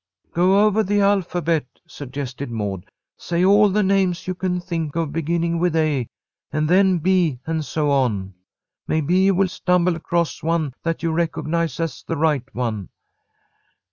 "Go over the alphabet," suggested Maud. "Say all the names you can think of beginning with A and then B, and so on. Maybe you will stumble across one that you recognize as the right one."